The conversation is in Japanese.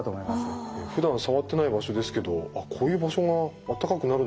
ふだん触ってない場所ですけどこういう場所があったかくなるんだなって。